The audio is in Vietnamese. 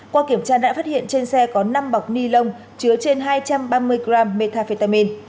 qua kiểm tra đã phát hiện trên xe có năm bọc ni lông chứa trên hai trăm ba mươi g metafetamin